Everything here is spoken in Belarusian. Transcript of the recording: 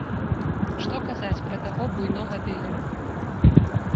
Што казаць пра таго буйнога дылера!